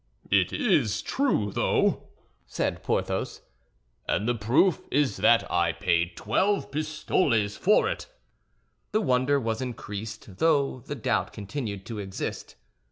"It's true, though," said Porthos; "and the proof is that I paid twelve pistoles for it." The wonder was increased, though the doubt continued to exist.